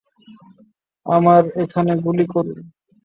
আমার এখানে গুলি করুন!